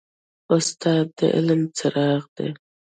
استاد د علم څراغ دی.